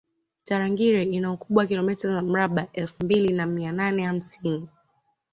tarangire ina ukubwa wa kilomita za mraba elfu mbili na mia nane hamsini